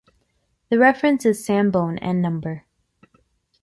The reference is Sambon and number.